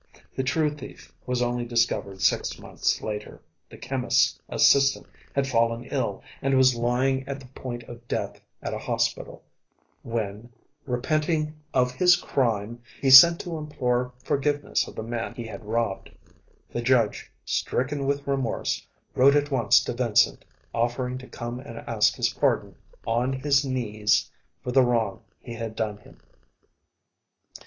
The true thief was only discovered six months later. The chemist's assistant had fallen ill and was lying at the point of death at a hospital, when, repenting of his crime, he sent to implore forgiveness of the man he had robbed. The judge, stricken with remorse, wrote at once to Vincent, offering to come and ask his pardon on his knees for the wrong he had done him.